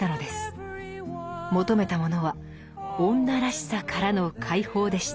求めたものは「女らしさ」からの解放でした。